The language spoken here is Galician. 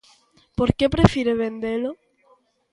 Porque prefire vendelo.